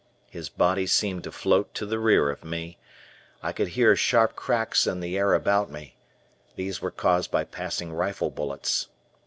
His body seemed to float to the rear of me. I could hear sharp cracks in the air about me. These were caused by passing rifle bullets.